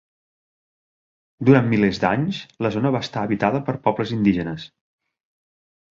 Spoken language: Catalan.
Durant milers d'anys, la zona va estar habitada per pobles indígenes.